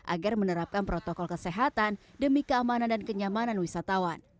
agar menerapkan protokol kesehatan demi keamanan dan kenyamanan wisatawan